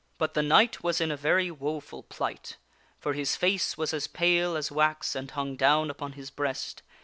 But the knight was in a very woful plight. For his face was as pale as wax and hung down upon his breast.